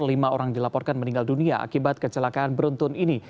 lima orang dilaporkan meninggal dunia akibat kecelakaan beruntun ini